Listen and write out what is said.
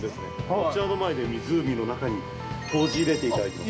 こちらの前で、湖の中に投じ入れていただきます。